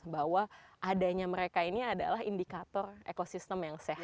bahwa adanya mereka ini adalah indikator ekosistem yang sehat